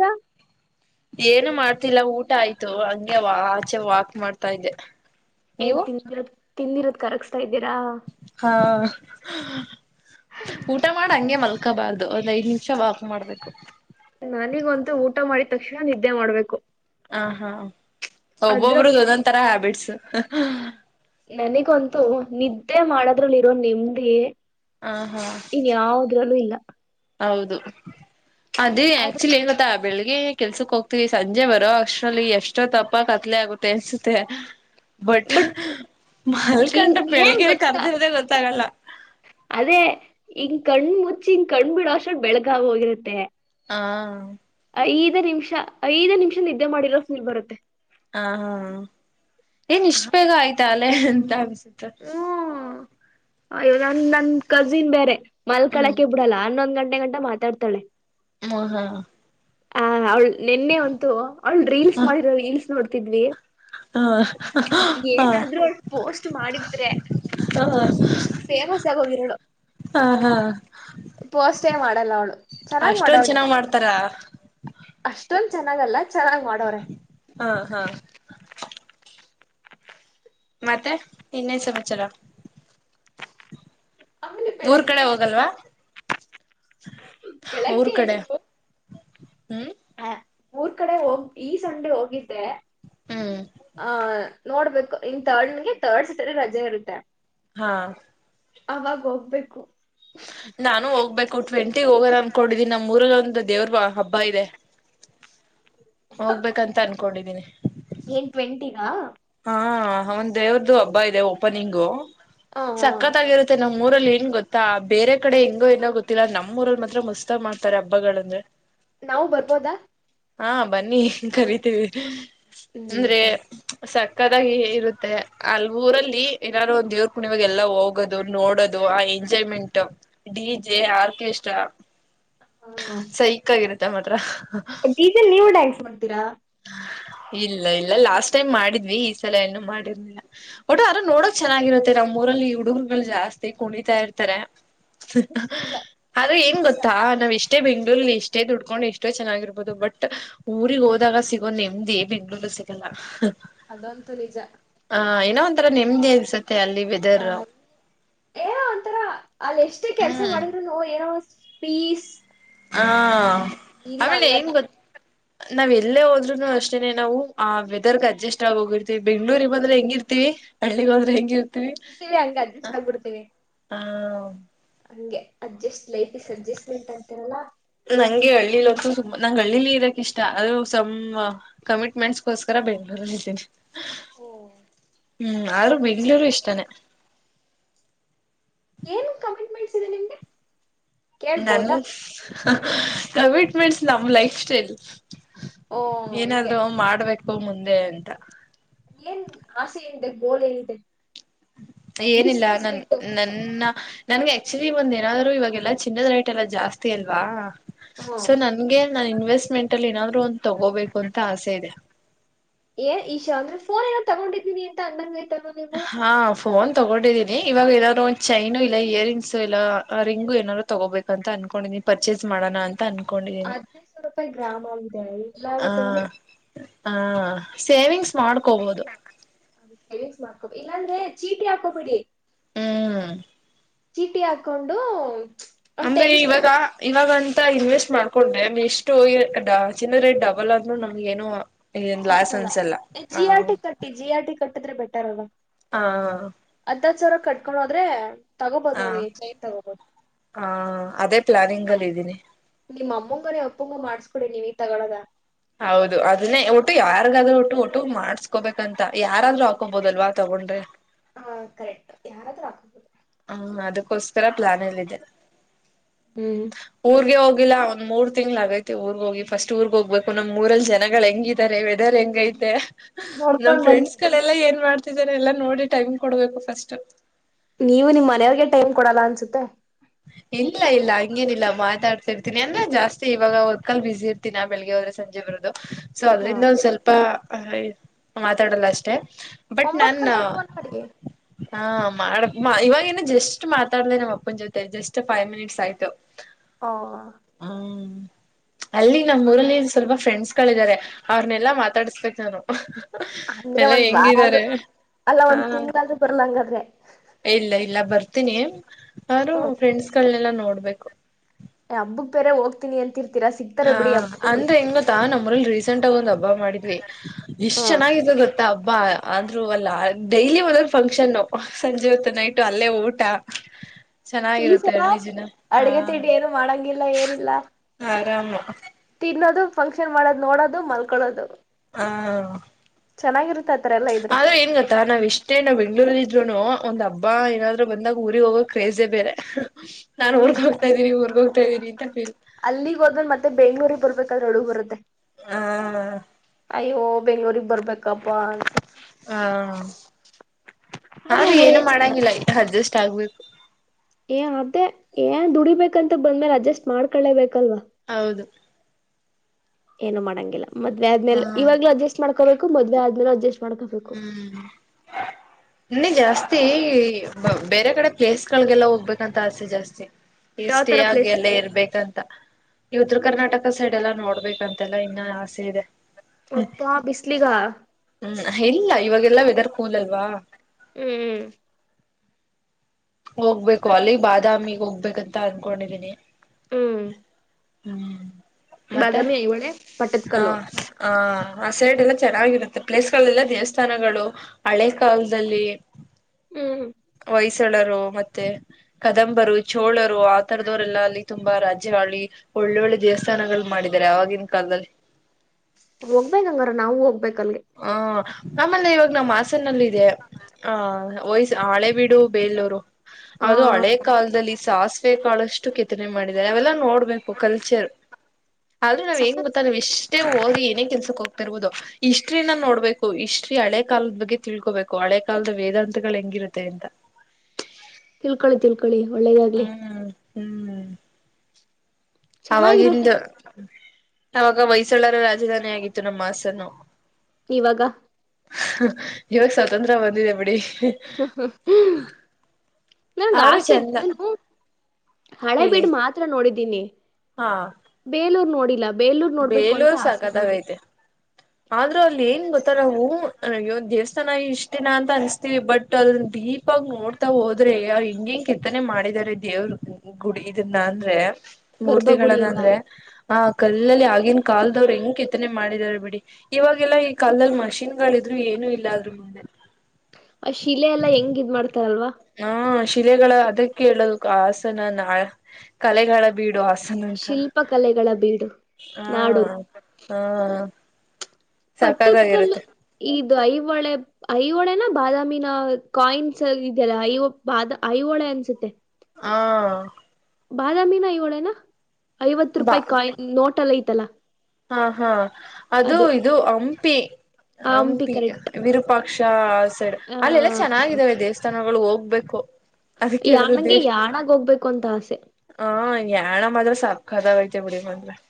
ರಾ... ಏನು ಮಾಡ್ತಿಲ್ಲ ಊಟ ಆಯ್ತು ಹಂಗೆ ಆಚೆ ವಾಕ್ ಮಾಡ್ತ. ತ ಇ್ದದೆ. ಏನ್ ತಿಂದಿರೋ ತಿಂದಿರೋದ ಕರಗಸ್ತಾ ಇದ್ದೀರಾ. ಹಾ ಹಾ.. ಊಟ ಮಾಡ ಹಂಗೆ ಮಲ್ಕಬಾರ್ದು ಒಂದ್ ಐದ್ ನಿಮಿಷ ವಾಕ್ ಮಾಡ್ಬೇಕು. ನನಗಂತು ಊಟ ಮಾಡಿದ ತಕ್ಷಣ ನಿದ್ದೆ ಮಾಡ್ಬೇಕು. ಹ ಹಾ ಒಬ್ಬೊಬಬರದ ಅದ್ರಲ್ಲಿ ಒಂದಾದತರ ಹ್ಯಾಬಿಟ್ಸ್. ನನಗಂತೂ ನಿದ್ದೆ ಮಾಡದ್ರಲ್ಲಿ ಇರೋ ನೆಮ್ದಿ. ಆ ಹಾ. ಇನ್ ಯಾವುದ್ರಲ್ಲೂ ಇಲ್ಲ. ಹೌದು ಅದೇ ಆಕ್ಚುಲಿ ಅದ್ರಲ್ಲಿ ಏನ್ ಗೋತ್ತಾ. ಬೆಳಿಗ್ಗೆ ಕೆಲ್ಸಕ್ ಹೋಗ್ತಿೀವಿ ಸಂಜೆ ಬರೋ ಅಷ್ಟರಲ್ಲಿ ಎಷ್ಟೋ ತಪ್ಪ ಕತ್ಲೆ ಆಗುತ್ತೆ ಅನ್ಸುತ್ತೆ. ಬಟ್ ಹಿಂಗ್ ಮಲ್ಕಂಡ್ರೆ ಏನ್ ಬೆಳಗ್ಗೆನೆ ಗೊತ್ತಾ ಕರ್ದಿರ್ದೆ ಗೊತ್ತಾಗಲ್ಲ. ಅದೇ ಹೀಂಗ ಕಣ್ಣ್ ಮುಚ್ಚಿ ಹಿಂಗ ಕಣ್ ಬಿಡ ಅಷ್ಟರಲ್ಲಿ ಬೆಳಕಾಗಿ ಹೋಗಿರತ್ತೆ. ಹೂಂ ಐದ್ ನಿಮಿಷ ಐದೇ ನಿಮಿಷ ನಿದ್ದೆ ಮಾಡಿರ ಪೀಲ್ ಬರುತ್ತೆ. ಹ ಹಾ ಏನ್ ಇಷ್ಟ ಬೇಗ ಆಯ್ತಾ ಅಲೆ ಅಂತ ಅನ್ಸುತ್ತೆ. ಹ್ಮ ನ ನನ್ ಕಜಿನ್ ಬೇರೆ ಹ್ಮ್ ಮಲ್ಕಳಕ್ಕೆ. ಕೊಡಲ್ಲ ಹನ್ನೊಂದ ಗಂಟೆ ಗಟಾ ಮಾತಡ್ತಾಳೆ. ಮ ಹ ಹಾ. ಆ ಅವಳ್ ನೆನ್ನೆ ಉಂತು ಅವಳ ರೀಲ್ಸ್ ಮಾಡಿರೋ ರೀಲ್ಸ್ ನೋಡ್ತಿದ್ವಿ. ಹಾ ಹ ಏನಾದ್ರೂ ಅವಳು ಪೋಸ್ಟ್ ಮಾಡಿದ್ರೆ. ಇಷ್ಟುತು ಫೇಮಸ್ ಆಗ ಹೋಗಿರಾಳು. ಹಾ ಹಾ ಪೋಸ್ಟೇ ಮಾಡಲ್ಲ ಅವಳು ಚೆನ್ನಾಗ್ ಅಷ್ಟೊಂದ ಮಾಡವಳೆ ಚೆನ್ನಾಗ್ ಮಾಡ್ತಾರ. ಅಷ್ಟೊಂದ ಚೆನ್ನಾಗಲ್ಲ ಚೆನ್ನಾಗ್ ಮಾಡೋರೆ. ಹ ಹಾ ಮತ್ತೆ ಇನ್ನೇನ್ ಸಮಾಚಾರ. ಆಮೇಲೆ ಊರ್ ಬೆಳಗ್ಗೆ ಕಡೆ ಎದ್ದು ಹೋಗಲ್ವಾ. ಅವ್ರ ಬೆಳಗ್ಗೆ ಕಡೆ ಹುಂ ಹ ಊರ್ ಕಡೆ ಹೋಗ್ ಈ ಸಂಡೆ ಹೋಗಿದ್ದೆ. ಹುಂ ಆ ನೋಡ್ಬೇಕು ಇಂತ ಹಣ್ಣುಗೆ ತರ್ಡ್ ಸರಿ ರಜೆ ಇರುತ್ತೆ. ಹಾ ಅವಾಗ ಹೋಗಬೇಕು. ನಾನು ಹೋಗ ಬೇಕು ಟಿವೆಂಟ್ಟಿಗೆ ಹೋಗೋಣ ಅನ್ನ್ಕೂಡಿದೀನಿ ನಮ್ಮ ಊರಲ್ಲಿ ಒಂದು ದೇವರ ಹಬ್ಬ ಇದೆ. ಹೋಗ್ಬೇಕಂತ ಅನ್ಕೊಂಡಿದೀನಿ. ಏನ್ ಟ್ವೆಂಟಿಗಾ. ಹಾ ಅವನ್ ದೇವ್ರ್ದು ಹಬ್ಬ ಇದೆ ಓಪನಿಂಗು. ಹ ಹ ಸಕ್ಕತಾಗಿರುತ್ತೆ ನಾಮ್ ಊರಲ್ಲಿ ಏನ್ ಗೊತ್ತಾ ಬೇರೆ ಕಡೆ ಹೆಂಗೋ ಏನೋ ಗೊತ್ತಿಲ್ಲ ನಮ್ಮ್ ಊರಲ್ಲಿ ಮಾತ್ರ ಮಸ್ತ್ ತ ಮಾಡ್ತಾರೆ ಹಬ್ಬಗಳಂದ್ರೆ ನಾವು ಬರ್ಬೋದಾ ಹಾ ಬನ್ನಿ ಕರಿತೀವಿ ಹ್ಮ್ ಅಂದ್ರೆ ಸರಿ ಸಕ್ಕದಾಗಿ ಇರುತ್ತೆ ಅಲ್ ಊರಲ್ಲಿ ಏನಾದ್ರು ಒಂದ ದೇವ್ರಾ ಕುಣಿವಾಗ ಎಲ್ಲಾ ಹೋಗ್ ಹದು ನೋಡದು ಆ ಎಂಜಾಯ್ಮೆಂಟ್ ಡಿ ಜೆ ಆರ್ಕೆಸ್ಟ್ರಾ ಹಾ ಸೈಕ್ ಆಗಿರತ್ತೆ ಮಾತ್ರ ಡೀಜೆಲಿ ನೀವು ಡ್ಯಾನ್ಕ್ಸ್ ಮಾಡ್ತೀರಾ ಇಲ್ಲ ಇಲ್ಲ ಲಾಸ್ಟ್ ಟೈಮ್ ಮಾಡಿದ್ವಿ ಈ ಸಲ ಏನ್ನುೂ ಮಾಡಿರ್ಲಿಲ್ಲ ಒಟ್ಟ ಅ್ರ ನೋಡಕ್ ಚೆನ್ನಾಗಿರುತ್ತೆ ನಮ್ಮ್ ಊರಲ್ಲಿ ಹುಡುಗರುಗಳು ಜಾಸ್ತಿ ಕುಂಡಿತಾ ಇರ್ತಾರೆ ಇಲ್ಲ ಆದ್ರೆ ಫುಲ್ ಏನ್ ಪೀಸ್ ಗೊತ್ತಾ ಅಲ್ವಾ ನಾವ್ ಇಷ್ಟ ಅಷ್ಟೇ ಬೆಂಗಳೂರಲಿ ಇಷ್ಟೇ ದುಡ್ಕೊಂಡು ಎಷ್ಟೇ ಚೆನ್ನಾಗಿರ್ಬಹುದು ಬಟ್ ಊರಿಗೆಗ್ ಹೋದಾಗ ಸಿಗೋ ನೆಮ್ದಿ ಬೆಂಗ್ಳೂರು ಸಿಗಲ್ಲ ಅದೊಂತ ನಿಜ ಹಾ ಏನೋ ಒಂಥರ ನೆಮ್ಮದಿ ಇನ್ಸುತ್ತೆ ಅಲ್ಲಿ ಹ ವೆದರ್ ಏನೋ ಒಂತರ ಅಲ್ಲಿ ಎಷ್ಟೇ ಕೆಲ್ಸ ಹ್ಮ್ ಮಾಡಿದ್ರುನು ಏನೋ ಪೀಸ್ ಹಾ ಇಲ್ಲ ಆಮೇಲೆ ಹಂಗಲ್ಲ ಹೆಂಗ್ ಗೊತ್ತು ನಾವ್ ಎಲ್ಲೇ ಹೋದ್ರುನು ಅಷ್ಟೇನೆ ನಾವು ಆ ವೆದರ್ಗ್ ಅಡ್ಜಸ್ಟ್ ಆಗ ಹೋಗಿರ್ತಿೀವಿ ಬೆಂಗ್ಳೂರಿಗೆ ಬಂದ್ರೆ ಹೆಂಗಿರ್ತಿೀವಿ ಹಳ್ಳಿಗ್ ಹೋದ್ರೆ ಹೆಂಗಿರ್ತೀವಿ ಇರ್ತೀವಿ ಹಂಗ ಅಡ್ಜಸ್ಟ್ ಆಗ್ಬಿಡ್ತೀವಿ ಹ ಹಂಗೆ ಅಡ್ಜಸ್ಟ್ ಲೈಫ ಇಸ್ ಅಡ್ಜಸ್ಟ್ಮೆಂಟ್ ಅಂತಾರಲ್ಲಾ ನಂಗೆ ಹಳ್ಳಿಲಿಂತ ಸು ನಂಗ್ ಹಳ್ಳಿಲಿ ಇದರಕ ಇಷ್ಟ ಅದು ಸಂ ಕಮಿಟ್ಮೆಂಟ್ಸ್ಗೋಸ್ಕರ ಬೆಂಗ್ಳೂರಲ್ಲಿ ಇದ್ದೀನಿ ಹ್ಮ್ ಯರು ಬೆಂಗ್ಳೂರು ಇಷ್ಟನೆೇ ಏನ್ ಕಮಿಟ್ಮೆಂಟ್ಸ್ ಇದೆ ನಿಮ್ಗೆ ನಾನು ಕೇಳ್ಬೋದಾ ಕಮಿಟ್ಮೆಂಟ್ಸ್ ನಮ್ ಲೈಫ್ ಸ್ಟೈಲ್ ಓ ಹಂಗೆ ಏನಾದ್ರೂ ಮಾಡ್ಬೇಕು ಮುಂದೆ ಅಂತ ಏನ್ ಆಸೆ ಏನಿದೆ ಗೋಲ್ ಏನಿದೆ ಏನಿಲ್ಲ ಬಿಸ್ನೆಸ್ ನನ್ ಬಿಟ್ಟು ನನ್ನ ನನ್ಗೆ ಆಕ್ಚುಲಿ ಒಂದ್ ಏನಾದ್ರು ಇವಾಗಲ್ಲಾ ಚಿನ್ನದ್ ರೈಟ್ ಎಲ್ಲ ಜಾಸ್ತಿ ಅಲ್ವಾ ಹ ಸೊ ನ ನಿನ್ಗೆ ನಾನ್ ಇನ್ವೆಸ್ಟ್ಮೆಂಟ್ ಅಲ್ಲಿ ಏನಾದ್ರು ಒಂದು ತಗೋಬೇಕು ಅಂತ ಆಸೆ ಇದೆ ಏನ್ ಈಶ ಅಂದ್ರೆಫೋನ್ ಏನೋ ತಗೊಂಡಿದ್ದೀಿನಿ ಅಂತ ಅಂದಂಗಯ್ತಾರ ನೀವು ಹಾ ಫೋನ್ ತಗೊಂಡಿದ್ದೀನಿ ಇವಾಗ ಏನಾದ್ ಒ ಚೈನು ಇಲ್ಲ ಇಯರ್ರಿಂಗ್ಸು ಇಲ್ಲ ರಿಂಗು ಏನಾರರು ತಗೋಬೇಕು ಅಂತ ಅನ್ಕೊಂಡೀನಿ ಪರ್ಚೇಸ್ ಮಾಡೋಣ ಅಂತ ತನ್ಕೊಂಡಿ ಹದ್ ದು ಸಾವಿರ ರೂಪಾಯಿ ಗ್ರಾಮ ಅ್ದ ಎಲ್ಲ ಆ ಗತಿಿಂದ ಹ ಸೇವಿಂಗ್ಸ್ ಮಾಡ್ಕೋಬೋದು ಅದದು ಸೇವಿಂಗ್ಸ್ ಮಾಡಕಬಿ ಇಲ್ಲಂದ್ರೆ ಚೀಟಿ ಹಾಕೋಬ ಬಿಡಿ ಹ್ಮ್ ಚೀಟಿ ಹಾಕೊಂಡು ಒಂದ್ ಅಂದ್ರೆ ಟೆನ್ ಕೆ ಇವಾಗ ಇವಾಗಂತ ಇನ್ವೆಸ್ಟ್ ಮಾಡ್ಕೊಂಡ್ರೆ ಎಷ್ಟು ಚಿ ರೇಟ್ ಡಬಲ್ ಆದರು ನಮ್ಗೆ ಏನು ಇನ್ ಲಸನ್ಸ್ ಎಲ್ಲ ಹ ಿ ಜಿ ಆರ್ ಿ ಕಟ್ಟಿದ್ರೆ ಬೆಟರ್ ಅಲ್ವಾ ಹಾ ಹದ್ ಹತ್್ ಸಾವಿರ ಕಟ್ಕೊಂಡು ಹೋದ್ರೆ ತಗೋಬೋದು ಹ ನೋಡಿ ಕೈ ತಗೋಬೋದು ಹ ಅದೇ ಪ್ಲಾನಿಂಗ್ ಅಲ್ಲಿ ಇದ್ದೀನಿ ನಿಮ್ಮ್ ಅಮ್ಮಂಗನೇ ಒಪ್ಪಂಗ ಮಾಡ್ಸ್ಕಡಿ ನೀವ ಈ ತಗೊಳದ ಹೌದು ಅದನ್ನೇ ಒಟ್ಟು ಯಾರಿಗಾದ್ರೂ ಒಟ್ಟು ಒಟ್ಟು ಮಾಡ್ಸ್ಕೊಬೇಕಂತ ಯಾರಾದ್ೂ ಹಾಕೋಬೋದಲ್ವಾ ತಗೊಂಡ್ರೆ ಹ ಕರೆಕ್ಟ್ ಯಾರಾದ್ರೂ ಹಾಕಬಹುದು ಹ್ಮ್ ಅದಕ್ಕೋಸ್ಕರ ಪ್ಲಾನ್ ಎಲ್ಲಿದೆೇನೆ ಹ್ಮ್ ಊರ್ಗೆ ಹೋಗಿಲ್ಲ ಒಂದ್ ಮೂರ್ ತಿಂಗ್ಗಳ ಆಗೈತಿ ಊರ್ಗ್ ಹೋಗಿ ಫಸ್ಟ್ ಊರ್ಗ್ ಹೋಗಬೇಕು ನಮ್ ಮೂರಲ್ ಜನಗಳು ಹೆಂಗಿ ಾರೆ ವೆದರ್ ಹೆಂಗ ಐತೆ ನಾವ್ ನೋಡ್ಕೊಂಡ್ ಬನ್ನಿ ಫ್ರೆಂಡ್ಸ್ ಗಳೆಲ್ಲಾ ಏನ್ ಮಾಡ್ತಿದಿದ್ದಾರೆ ಎಲ್ಲಾ ನೋಡಿ ಟೈಮ್ ಕೊಡ್ಬೇಕು ಫಸ್ಟ್ ನೀವು ನಿಮ್ಮ್ನೆಯವ್ರಗೆ ಟೈಮ್ ಕೊಡಲ್ಲ ಅನ್ಸುತ್ತೆ ಇಲ್ಲ ಇಲ್ಲ ಹಂಗೇನಿಲ್ಲ ಮಾತಾಡ್ತಿರ್ತೀನಿ ಅಂದ್ರ ಜಾಸ್ತಿ ಇವಾಗ ಒತ್ಕಲ್ ಬಿಸಿಿ ಇರ್ತ ದಿನ ಬೆಳಿಗ್ಗೆವ್ರ ಸಂಜೆ ಬರದು ಸೊ ಹ ಅದರಿಂದ ಒಂದ್ ಸ್ವಲ್ಪ ಮಾತಾಡಲ್ಲ ಅಷ್ಟೇ ಬಟ್ ಒಂಬತ್ ನನ್ ಗಂಟೆಗೆ ಫೋನ್ ಮಾಡಿ ಹಾ ಮಾಡ ಇವಾಗ ನ್ ಎಷ್ಟ್ ಮಾತಾಡ್ಲ ನಮ್ಮ್ ಅಪ್ಪನ ಜೊತೆ ಜಸ್ಟ್ ಫೈವ್ ಮಿನಿಟ್ಸ್ ಆಯ್ತು ಹ ಹ್ಮ ಅಲ್ಲಿ ನಮ್ಮ್ ಊರಲ್ಲಿ ಸ್ವಲ್ಪ ಫ್ರೆಂಡ್ಸ್ ಗಳಾರೆ ಅವ್ರನೆೆಲ್ಲಾ ಮಾತಾಡಸ್ಬೇಕಕ್ ನಾನು ಅಂದ್ರೆ ಎಲ್ಲಾ ಒಂದ್ ವಾರ ಆದ ಹೆಂಗಿದ್ದಾರೆ ಅಲ್ಲ ಹ ಒಂದ್ ತಿಂಗಳಾದ ಬರ್ಲಂಗಾದ್ರೆ ಇಲ್ಲ ಇಲ್ಲ ಬರ್ತೀನಿ ಅವರು ಹ್ಮ ಫ್ರೆಂಡ್ಸ್ಗಳನೆಲ್ಲ ನೋಡ್ಬೇಕು ಹಬ್ಬಕ್ ಬೇರೆ ಹೋಗ್ತೀನಿ ಅಂತಿರ್ತೀರ ಸಿತಾರ ಬಿಡಿ ಹಬ್ಬದ್ರ ಾ ನಮ್ಮ್ರಲ್ಲಿ ರೀಸೆಂಟ್ ಆಗ ಒಂದ್ ಹಬ್ಬ ಮಾಡಿದ್ವಿ ಇಷ್ಟ್ ಚೆನ್ನಾಗಿದದ ಆತ್ತ ಹಬ್ಬಾ ಆದ್ರು ಅಲ್ಲ ಡೈಲಿ ಒಂದೊ್ ಫಂಕ್ಷನ್ ಸಂಜೆ ಹೊತ್ತು ನೈಟ್ ಅಲ್ಲೇ ಊಟ ಫೀಸ್ ಚೆನ್ನಾಗಿರುತ್ತೆ ಎಲ್ಲ ಹಳ್ಳಿ ದಿನ ಹಾ ಅಡ್ಗೆ ತಿಂಡಿ ಏನು ಮಾಡಂಗಿಲ್ಲ ಏನಿಲ್ಲ ಆ ತಿನ್ನೋದು ಫಂಕ್ಷನ್ ಮಾಡೋದು ನೋಡೋದು ಮಲ್ಕಡೋದು ಹಾ ಚೆನ್ನಾಗಿರುತ್ತತಿ ಆದ್ರ ಏನ್ ಗತ್ತ ನಾವ್ ಇಷ್ಟ ಮತ್ತೇ ನಾವ್ ಬೆಂಗ್ಗಳೂರಲ್ಲಿ ಇದ್ರುನು ಒಂದ್ ಹಬ್ಬ ಏನಾದ್ರು ಬಂದಾಗ ಊರಿಗೆ ಹೋಗಕ್ ಕ್ರೇಜೆ ಬೇರೆ ನಾನ್ ಊಗ್ ನಿಜ ಹೋಗ್ತ ಇದೀನಿ ಊಗ್ ಹೋಗ್ತ ಇದೀಿ ಅಂತೇೀ ಅಲ್ಲಿಗ್ ಹೋದ್ೇ ಮತ್ತೆ ಬೆಂಗ್ೂರಿಗೆ ಬರ್ಬೇಕಾದ್ರೆ ಹಡುಗ್ ಬರುತ್ತೆ ಹ್ಮ ಅಯ್ಯೋ ಬೆಂಗ್ಳೂಗ್ ಬರ್ಬೇಕಪ್ಪಾ ಹಾ ಆದ್ರೆ ಆದ್ರೂ ಊರೇ ಏನು ಚಂದ ಮಾಡಂಗಿಲ್ಲ ಅಡ್ಜಸ್ಟ್ ಆಗ್ಬೇಕು ಏ ಅೇ ಏನ್ ದುಡಿಬೇಕಂತ ಬಂದ್ಮೇಲೆ ಅಡ್ಜಸ್ಟ್ ಮಾಡ್ಕೊಳ್ಳೇಬೇಕಲ್ವಾ ಹೌದು ಏನು ಮಾಡಂಗಿಲ್ಲ ಮದ್ವೆ ಆದ್ಮೇ ಹಾ ಇವಾಗ್ಲು ಅಡ್ಜಸ್ ಮಾಡ್ಕೋಬೇಕು ಮದ್ವೆ ಆದ್ಮೇಲೆ ಅಡ್ಜಸ್ಟ್ ಮಾಡ್ಕೋಬೇಕು ಹ್ಮ್ ಇನ್ನೆ ಜಾಸ್ತಿ ಬೇರೆ ಕಡೆ ಪ್ಲೇಸ್ಗಳಿಗೆಲ್ಲ ಹೋಗ್ಬೇಕಂತ ಆಸೆ ಜಾಸ್ತಿ ಯಾವ್ ಇಷ್ಟೇ ತರ ಆ ಪ್ಲೇಸ್ ಎಲ್ಲ ಇರ್ಬೇಕಂತ ಈ ಉತ್ತರ ಕರ್ನಾಟಕ ಸೈಡ್ ಎಲ್ಲಾ ನೋಡ್ಬೇಕಂತೆಲ್ಲ ಇನ್ನ ಆಸೆ ಇದೆ. ಅಪ್ಪಾ ಬಿಸ್ಲಿಗ. ಹ್ಮ್ ಇಲ್ಲ ಇವಾಗೆಲ್ಲಾ ವೆದರ್ ಕೂಲ್ಲ್ವಾ. ಹ್ಮ್. ಹೋಗ್ಬೇಕು ಅಲ್ಲಿ ಬಾದಾಮಿಗ್ ಹೋಗ್ಬೇಕಂತ ಅನ್ಕೊಂಡಿದೀನಿ. ಹ್ಮ್. ಹ್ಮ್. ಬಾದಾಮಿ ಐಹೊಳೆ. ಹಾ ಪಟ್ಟದಕಲ್ಲು ಆ ಆ ಸೈಡ್ ಎಲ್ಲ ಚೆನ್ನಾಗಿರುತ್ತೆ ಪ್ಲೇಸ್ಗಳೆಲ್ಲ ದೇವಸ್ಥಾನಗಳು. ಹಳೆ ಕಾಲದಲ್ಲಿ. ಹ್ಮ್. ಹೊಯ್ಸಳರು ಮತ್ತೆ. ಕದಂಬರು, ಚೋಳರು ಆ ತರದವರೆಲ್ಲ ಅಲ್ಲಿ ತುಂಬಾ ರಾಜ್ಯ ಆಳಿ. ಒಳ್ಳೊಳ್ಳೆ ದೇವಸ್ಥಾನಗಳು ಮಾಡಿದ್ದಾರೆ ಆವಾಗಿನ ಕಾಲದಲ್ಲಿ. ಹೋಗ್ಬೇಕೇಂಗಾರ ನಾವವು ಹೋಗ್ಬೇಕ ಅಲ್ಲಿಗೆ. ಹ್ಮ ಆಮೇಲೆ ಇವಾಗ ನಮ್ಮ ಹಾಸನ ನಲ್ಲಿ ಇದೆ ಆ ಹೊಯಿಸ ಹಳೆ ಬಿಡು, ಬೇಲ್ಲೂರು ಆ ಅದು ಹಳೆ ಕಾಲದಲ್ಲಿ ಸಾಸ ಶಾಸವೇ ಕಾಳಷ್ಟು ಕೆತ್ತನೆ ಮಾಡಿದ್ದಾರೆ ಅವೆಲ್ಲಾ ನೋಡ್ಬೇಕು ಕಲ್ಚರ್ ಆದ್ರೆ ನಾವ ಹೆಂಗ ಸಖತ್ ಗೊತ್ ನಾವು ಇಷ್ಟೇ ಓದಿ ಏನೇ ಕೆಲ್ಸಕ ಹೋಗ್ತಿರ್ಬೋದು ಇಷ್ ಹಿಸ್ಟರಿ ನ ನೋಡ್ಬೇಕು ಹಿಸ್ಟರಿ ಹಳೆ ಕಾಲದ ಬಗ್ಗೆ ತಿಳ್ಕೋಬೇಕು ಹಳೆ ಕಾಲದ ವೇದಾಂತಗಳು ಹೆಂಗಿರುತ್ತೆ ಅಂತ. ತಿಳ್ಕೊಳ್ಳಿ ತಿಳ್ಕೊಳ್ಳಿ ಒಳ್ಳೇದಾಗ್ಲಿ. ಹ್ಮ್ ಹ್ಮ್ ಅವಾಗಿಂದ. ಚೆನ್ನಾಗಿರುತ್ತೆ ಅವಾಗ ಹೊಯ್ಸಳರ ರಾಜಧಾನಿ ಆಗಿತ್ತು ನಮ್ಮ ಹಾಸನು. ಇವಾಗ. ಇವಾಗ ಸ್ವಾತಂತ್ರ ಬಂದಿದೆ ಬಿಡಿ. ಹ ನನಗೆ ಆದ್ರೂ ಆಸೆ ಇದ್ ಚಂದ ನಾನು. ಹಳೆ ಹೇಳಿ ಬಿಡ ಮಾತ್ರ ನೋಡಿದ್ದೀನಿ. ಹಾ. ಬೇಲೂರ ನೋಡಿಲ್ಲ ಬೇಲೂರ ನೋಡ್ಬೇಕು ಅಂತ ಬೇಲೂರು ಆಸೆ ನನಗೆ. ಸಾಕದಾಗೈತೆ ಆದ್ರೂ ಅಲ್ಲಿ ಏನ ಗೊತ್ತ ನಾವು ದೇವಸ್ಥಾನ ಇಷ್ಟ ದಿನ ಅಂತ ಅನಸತೀವಿ ಬಟ್ ಅಲ್ಲಿ ಡೀಪ್ ಇಪ್ಪಾಗ ನೋಡ್ತಾ ಹೋದ್ರೆ ಅವ ಹಿಂಗಿಂಗ ಕೆತ್ತನೆ ಮಾಡಿದಿದ್ದಾರೆ ದೇವ್ರು. ಗುಡಿ ಇದನ್ನ ಅಂದ್ರೆ ಗರ್ಭಗುಡಿ ಮೂರ್ತಿಗಳನ್ನ ಎಲ್ಲ ಅಂದ್ರೆ ಆ ಕಲ್ಲ ಇಲ್ಲಲ್ಲಿ ಆಗಿನ ಕಾಲಲ್ದವ್ರು ಹೆಂಗಂ ಕೆತ್ತನೆ ಮಾಡಿದಾರ ಬಿಡಿ. ಇವಾಗೆಲ್ಲಾ ಈ ಕಾಲದಲ್ಲಿ ಮಷೀನ್ ಗಳಿದ್ರು ಏನು ಇಲ್ಲ ಅದ್ರ ಮನೆ ಆ ಶಿಲೆ ಎಲ್ಲ ಹೆಂಗ ಇದ್ ಮಾಡ್ತಾರಲ್ವಾ. ಹಾ ಶಿಲೆಗಳ ಅದಕ್ಕೆ ಹೇಳೋದು ಹಸನ ನ ಕಲೆಗಳ ಬೀಡು ಹಾಸನ ಅಂತ ಶಿಲ್ಪ ಕಲೆಗಳ ಬೀಡು ಹಾ ನಾಡು. ಹಾ. ಪಟ್ಟದ್ ಕಲ್ಲ ಸಾಕಾಗಾಗಿರುತ್ತೆ ಇದು ಐಹೊಳೆ ಬಾ ಐಹೊಳೆನ ಬಾದಾಮಿನ ಕಾಯಿನ್ಸ್ ಇದ್ಯಲ್ಲ ಐ ಬಾದ ಐಹೊಳೆ ಅನ್ಸುತ್ತೆ. ಹಾ. ಬಾದಾಮಿನ ಇವಳೇನಾ ಐವತ್ತು ಬಾ ರೂಪಾಯಿ ಕಾಯಿ ನೋಟ ಎಲ್ಲ ಐತಲ್ಲಾ. ಹಾ ಹಾ ಅದು ಇದು ಹಂಪಿ ಆ ಹಂಪಿ. ಕರೆಕ್ಟ್ ವಿರೂಪಾಕ್ಷ ಆ ಸೈಡ್ ಆ ಅಲ್ಲೆಲ್ಲಾ ಚೆನ್ನಾಗಿದಾವ ದೇವಸ್ಥಾನಗಳು ಹೋಗ್ಬೇಕು. ಅದಕ್ಕೆ ಹೇಳುದು ಯಾಣಗೆ ದೇ ಯಾಣಾಗ ಹೋಗ್ಬೇಕು ಅಂತ ಆಸೆ. ಹ ಯಾರಾಮ್ ಆದ್ರೆ ಸಕತ್ಅದಾವ ಬಿಡಿ ಮತ್ತೇ [unintelligible]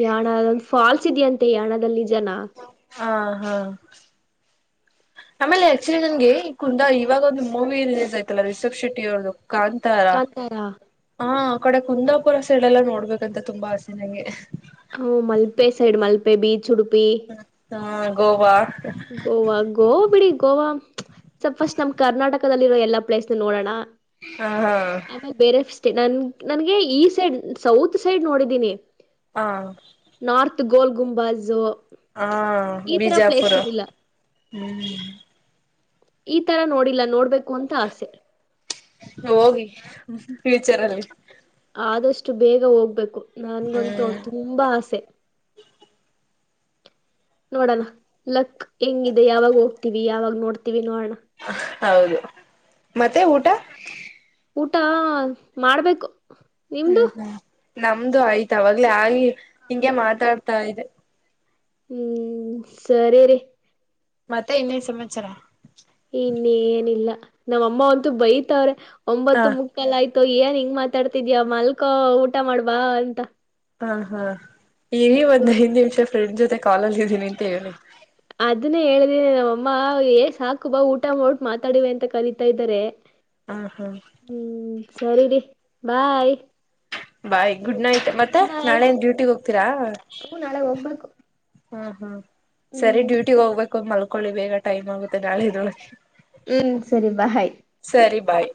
ಯಾಣ ಒ ಫಾಲ್ಸ್ ಇದೆಯಂತೆ ಯಾಣದಲ್ಲಿ ಜನ ಆ ಹಾ ಆಮೇಲೆ ಅಚ್ಚುರಿ ನನ್ಗೆ ಕುಂದಾ ಇವಾಗ ಒಂದು ಮೂವಿ ರಿಲೀಸ್ ಯ್ತಲ್ಲಾ ರಿಷಬ್ ಶೆಟ್ಟಿ ಅವ್ರ್ದ ಕಾಂತಾರ ಕಾಂತಾರ ಹಾ ಆ ಕಡೆ ಕುಂದಾಪುರ ಸೈಡ್ ಎಲ್ಲ ನೋಡ್ಬೇಕಂತ ತುಂಬಾ ಆಸೆ ನಗೆ ಹ ಮಲ್ಪೆ ಸೈಡ್ ಮಲ್ಪೆ ಬೀಚ್ ಉಡುಪಿ ಹ್ಮ ಗೋವಾ ಗೋವಾ ಗೋವಾ ಬಿಡಿ ಗೋವಾ ಸ್ವಲ್ಪಫಸ್ಟ್ ನಮ್ ಕರ್ನಾಟಕದಲ್ಲಿರೋ ಎಲ್ಲಾ ಪ್ಲೇಸ್ ನ ನೋಡೋಣ- ಹಾ ಹಾ- ಆಮೇಲೆ ಬೇರೆ ಸ್ಟೇ ನನ್ ನನ್ಗೆ ಈ ಸೈಡ್ ಸೌತ್ ಸೈಡ್ ನೋಡಿದ್ದೀನಿ ಹಾ ನಾರ್ತ್ ಗೋಲ್ಗುಂಬಝ ಹಾ ಬಿಜಾಪುರ ಹ್ಮ್ ಈ ತರ ನೋಡಿಲ್ಲ ನೋಡ್ಬೇಕು ಅಂತ ಆಸೆ ಹೋಗಿ ಫ್ಯೂಚರ್ ಅಲ್ಲಿ ಆದಷ್ಟು ಬೇಗ ಹೋಗ್ಬೇಕು ನನ್ಗಂತೂ ಹ್ಮ್ ತುಂಬಾ ಆಸೆ ನೋಡೋಣ ಲಕ್ ಹೆಂಗಿದೆ ಯಾವಾಗ ಹೋಗ್ತಿವಿ ಯಾವಾಗ ನೋಡ್ತಿವಿ ನೋಡೋಣ ಹೌದು ಮತ್ತೆ ಊಟ ಊಟ ಮಾಡ್ಬೇಕು ನಿಮ್ದು ಹ್ಮ್ ಹ್ಮ್ ನಮ್ದು ಆಯ್ತ ಅವಾಗಲೇ ಆಗ್ ಹಿಂಗೆ ಮಾತಾಡ್ತಾ ಇದೆ ಹ್ಮ್ ಸರಿ ರರಿ ಮತ್ತೆ ಇನ್ನೇ ಸಮಚಾರ ಇನ್ನೇನಿಲ್ಲ ನಮ್ಮಮ್ಮವಂತೂ ಬೈತಾರೆ ಹಾ ಒಂಬತ್ತು ಅಕಲ್ಲ ಆಯ್ತು ಏನ್ ಹಿಂಗ್ ಮಾತಾಡ್ತಿದ್ಯಾ ಮಾಲ್ಕ ಊಟ ಮಾಡವ ಅಂತ ಹಾ ಹಾ ಈ ಒಂದ್ ಐದ್ ನಿಮಿಷ ಫ್ರೆಂಡ್ ಜೊತೆ ಕಾಲಲ್ಲಿ ಇದ್ದೀನಿ ಅಂತ ಹೇಳಿ ಅದನ್ನೇ ಹೇಳಿದೀನಿ ನಮ್ಮಮ್ಮ ಏ ಸಾಕು ಬಾ ಊಟ ಮಾಡಟ್ಟು ಮಾತಾಡುವೆ ಅಂತ ಕಲತಾ ಇದಾರೆ ಹಾ ಹಾ ಹ್ಮ್ ಸರಿ ರೀ ಬಾಯ್ ಬಾಯ್ ಗುಡ್ ನೈಟ್ ಮತ್ತೆ ಗುಡ್ ನಾಳೆ ನೈಟ್ ಏನ್ ಡ್ಯೂಟಿಗ್ ಹೋಗ್ತೀರಾ ಹು ನಾಳೆ ಹೋಗ್ಬೇಕು. ಹ್ಮ ಹ್ಮ್ ಹ್ಮ್ ಸರಿ ಡ್ಯೂಟಿಗ್ ಹೋಗ್ಬೇಕು ಮಲ್ಕೊಳ್ಳಿ ಬೇಗ ಟೈಮ್ ಆಗುತ್ತೆ ನಾಳೆಗೆ ಹ್ಮ್ ಸರಿ ಬಾಯ್ ಬಾಯ್